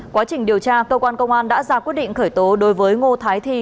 quá trình điều tra công an đã ra quyết định khởi tố đối với ngô thái thi